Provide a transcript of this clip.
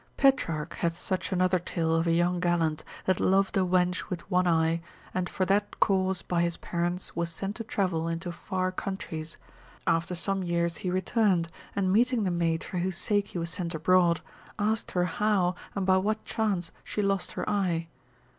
Petrarch hath such another tale of a young gallant, that loved a wench with one eye, and for that cause by his parents was sent to travel into far countries, after some years he returned, and meeting the maid for whose sake he was sent abroad, asked her how, and by what chance she lost her eye?